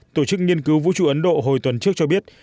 tổ chức nghiên cứu vũ trụ ấn độ hồi tuần trước cho biết